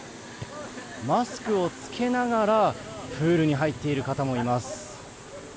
マスクを着けながらプールに入っている方もいます。